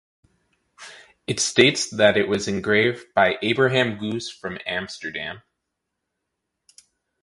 It states that it was engraved by Abraham Goos from Amsterdam.